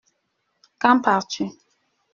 Quand pars-tu ?